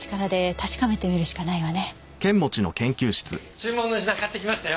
注文の品買ってきましたよ。